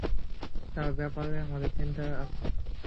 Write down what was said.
তার ব্যাপারে আমাদের চিন্তা আছে।